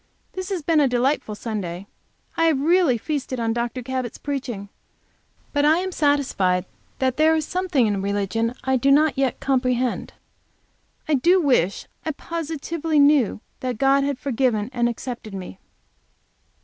This has been a delightful Sunday. I have really feasted on Dr. Cabot's preaching. But I am satisfied that there is something in religion I do not yet comprehend. I do wish I positively knew that God had forgiven and accepted me.